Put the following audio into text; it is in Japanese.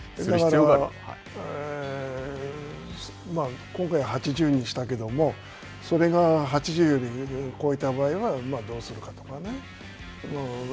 だから、今回８０にしたけれども、それが８０より超えた場合は、どうするかとかね。